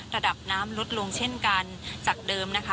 ระดับน้ำลดลงเช่นกันจากเดิมนะคะ